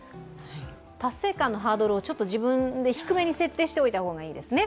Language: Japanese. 達成感のハードルを自分で低めに設定しておいた方がいいですね。